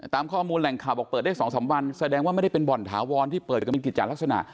ตามข้อมูลแหล่งข่าวบอกเปิดได้๒๓วันแสดงว่าไม่ได้เป็นบ่อนถาวรที่เปิดกันเป็นกิจจัดลักษณะ